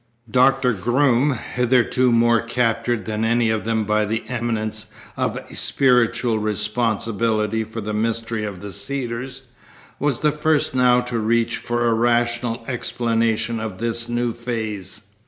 Doctor Groom, hitherto more captured than any of them by the imminence of a spiritual responsibility for the mystery of the Cedars, was the first now to reach for a rational explanation of this new phase.